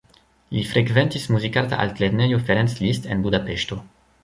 Li frekventis Muzikarta Altlernejo Ferenc Liszt en Budapeŝto.